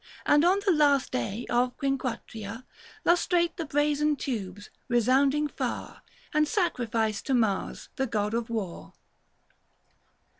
And on the last day of Quinquatria Lustrate the brazen tubes, resounding far, And sacrifice to Mars the God of war.